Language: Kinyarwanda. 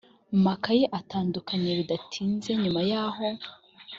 makayi atandukanye bidatinze nyuma yaho